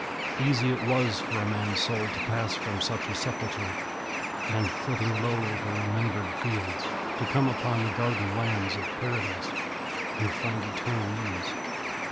Easy it was for a man's soul to pass from such a sepulchre, and, flitting low over remembered fields, to come upon the garden lands of Paradise and find eternal ease.